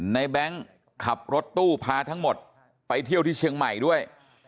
แบงค์ขับรถตู้พาทั้งหมดไปเที่ยวที่เชียงใหม่ด้วย